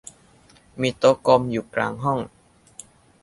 มีโต๊ะกลมอยู่กลางห้อง